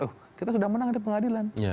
oh kita sudah menang di pengadilan